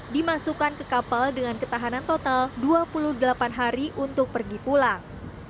dimasukkan ke kapal dengan ketahanan total dua puluh delapan hari untuk pergi pulang